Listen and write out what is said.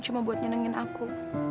cuma buat nyenengin aku